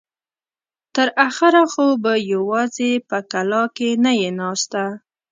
تر اخره خو به يواځې په کلاکې نه يې ناسته.